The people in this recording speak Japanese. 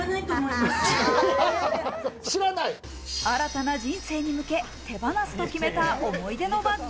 新たな人生に向け、手放すと決めた思い出のバッグ。